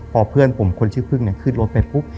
พอเพื่อนผมคนชื่อพึ่งเนี่ยขึ้นรถไปปุ๊บ